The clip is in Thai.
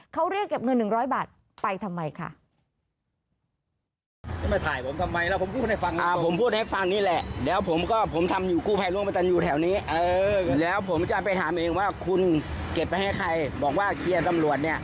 เขาเรียกเก็บเงิน๑๐๐บาทไปทำไมค่ะ